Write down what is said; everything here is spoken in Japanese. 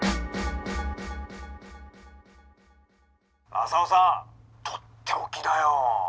「まさおさんとっておきだよ。